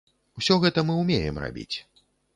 Усё гэта мы ўмеем рабіць.